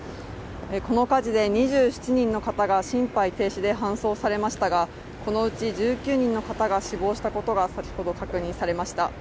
この火事で２７人の方が心肺停止で搬送されましたがこのうち１９人の方が死亡したことが先ほど確認されました。